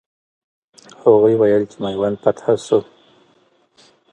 هغوی وویل چې میوند فتح سو.